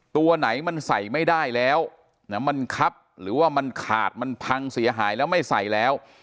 ตัวไหนมันใส่ไม่ได้แล้วมันคับหรือว่ามันขาดมันพังเสียหายแล้วไม่ใส่แล้ว